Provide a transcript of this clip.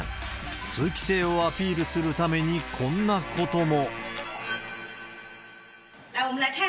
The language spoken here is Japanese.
通気性をアピールするために、こんなことも。